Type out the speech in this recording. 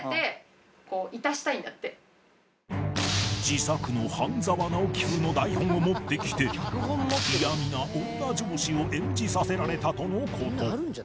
自作の『半沢直樹』風の台本を持ってきて嫌みな女上司を演じさせられたとの事